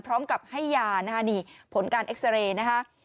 พร้อมกับให้ยานะคะนี่ผลการเอ็กซาเรย์นะคะ